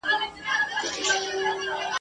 پرنګیان د غازيانو د قوت سره مخامخ سول.